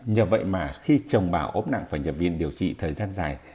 nhờ vậy mà khi chồng bà ốm nặng và nhập viên điều trị thời gian dài